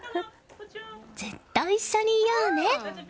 ずっと一緒にいようね。